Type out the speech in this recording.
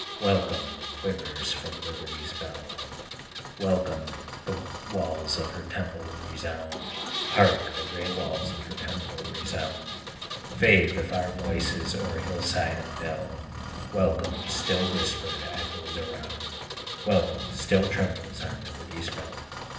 Welcome! it quivers from Liberty's bell; Welcome! the walls of her temple resound! Hark! the gray walls of her temple resound! Fade the far voices o'er hillside and dell; Welcome! still whisper the echoes around; Welcome! still trembles on Liberty's bell!